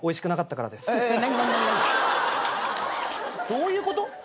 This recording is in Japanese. どういうこと？